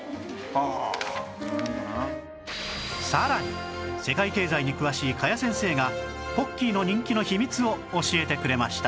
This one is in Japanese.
さらに世界経済に詳しい加谷先生がポッキーの人気の秘密を教えてくれました